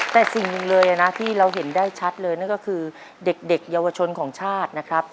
แต่สิ่งหนึ่งเลยนะที่เราเห็นได้ชัดเลยนั่นก็คือเด็กเยาวชนของชาตินะครับ